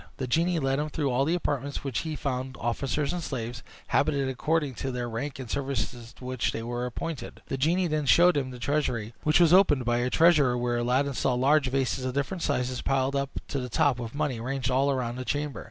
The genie led him through all the apartments, where he found officers and slaves, habited according to their rank and the services to which they were appointed. The genie then showed him the treasury, which was opened by a treasurer, where Aladdin saw large vases of different sizes, piled up to the top with money, ranged all round the chamber.